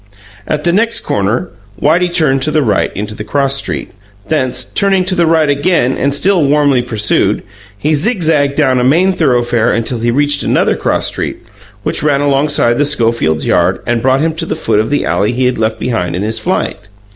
At the next corner Whitey turned to the right into the cross street; thence, turning to the right again and still warmly pursued, he zigzagged down a main thoroughfare until he reached another cross street, which ran alongside the Schofields' yard and brought him to the foot of the alley he had left behind in his flight.